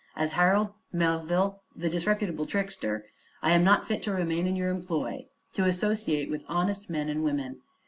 As Harold Melville, the disreputable trickster, I am not fit to remain in your employ to associate with honest men and women.